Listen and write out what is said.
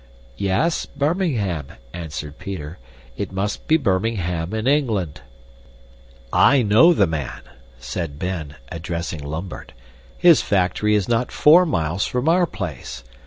"Yes, Birmingham," answered Peter. "It must be Birmingham in England." "I know the man," said Ben, addressing Lambert. "His factory is not four miles from our place.